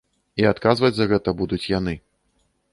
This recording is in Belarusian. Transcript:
І адказваць за гэта будуць яны.